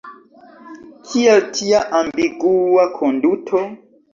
Kial tia ambigua konduto?